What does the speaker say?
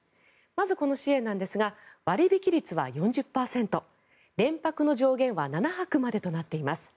まずこの支援なんですが割引率は４０％連泊の上限は７泊までとなっています。